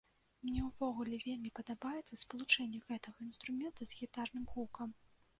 Мне ўвогуле вельмі падабаецца спалучэнне гэтага інструмента з гітарным гукам.